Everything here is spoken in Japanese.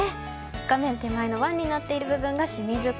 画面手前の湾になっているのが清水港。